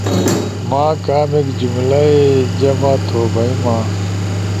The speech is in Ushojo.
ما کامیک جملہ ئی جمع تھو بئی ما؟